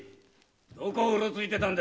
どこをうろついてた？